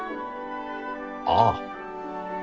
ああ。